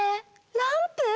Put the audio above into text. ランプ？